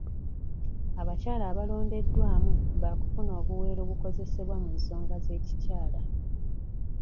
Abakyala abalondeddwamu b'akufuna obuwero obukozesebwa mu nsonga z'ekikyakala.